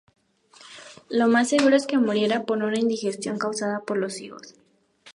Lo más seguro es que muriera por una indigestión causada por higos.